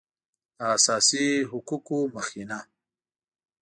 د اساسي حقوقو مخینه